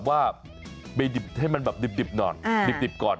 ว่าไปดิบให้มันแบบดิบหน่อยดิบก่อน